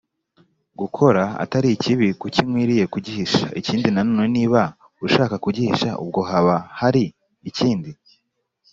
Gukora atari kibi kuki nkwiriye kugihisha ikindi nanone niba ushaka kugihisha ubwo haba hari ikindi